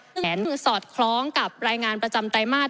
ซึ่งสอดคล้องกับรายงานประจำไตรมาส